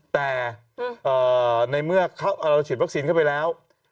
แต่ในเมื่อเราฉีดวัคซีนเข้าไปแล้ว